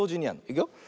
いくよ。